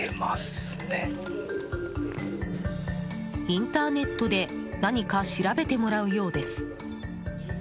インターネットで何か調べてもらうようです。